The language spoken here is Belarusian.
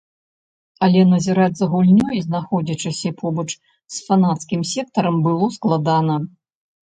Але назіраць за гульнёй, знаходзячыся побач з фанацкім сектарам, было складана.